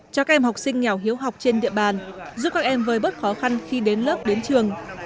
cho các em học sinh nghèo hiếu học trên địa bàn giúp các em với bớt khó khăn khi đến lớp đến trường